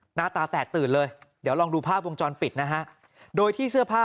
หน้าตาแตกตื่นเลยเดี๋ยวลองดูภาพวงจรปิดนะฮะโดยที่เสื้อผ้า